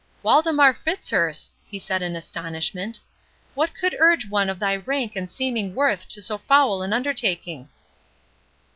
"Waldemar Fitzurse!" he said in astonishment; "what could urge one of thy rank and seeming worth to so foul an undertaking?"